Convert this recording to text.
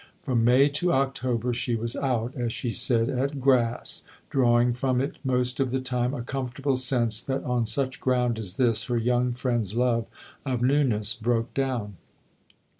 From May to October she was out, as she said, at grass, drawing from it most of the time a comfortable sense that on such ground as this her young friend's love of new ness broke down.